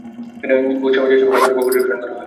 ভোজসভায় যে সব খাদ্য-দ্রব্য পরিবেশন করা হয়।